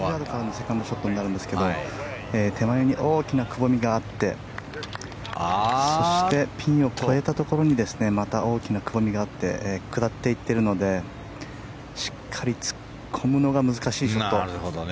セカンドショットになるんですが手前に大きなくぼみがあってそして、ピンを越えたところにまた大きなくぼみがあって下っていっているのでしっかり突っ込むのが難しいショット。